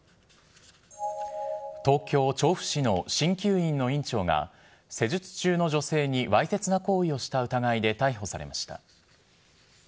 東京・調布市のしんきゅう院の院長が、施術中の女性にわいせつな行為をした疑いで逮捕されました。